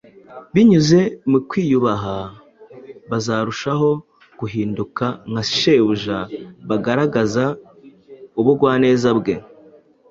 binyuze mu kwiyubaha, bazarushaho guhinduka nka Shebuja bagaragaza ubugwaneza bwe,